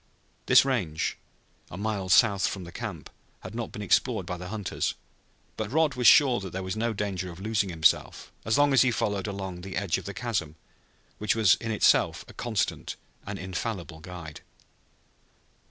This range, a mile south of the camp, had not been explored by the hunters, but Rod was sure that there was no danger of losing himself as long as he followed along the edge of the chasm which was in itself a constant and infallible guide.